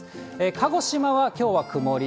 鹿児島はきょうは曇り。